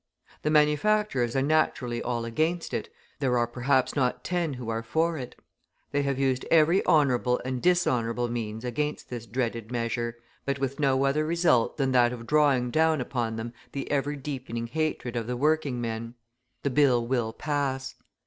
The manufacturers are naturally all against it, there are perhaps not ten who are for it; they have used every honourable and dishonourable means against this dreaded measure, but with no other result than that of drawing down upon them the ever deepening hatred of the working men. The bill will pass.